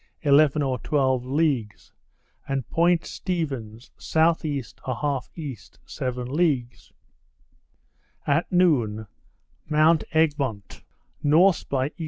eleven or twelve leagues, and Point Stephens S.E. 1/2 E. seven leagues. At noon, Mount Egmont N. by E.